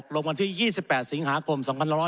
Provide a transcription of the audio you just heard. รวมวันที่๒๘สิงหาคม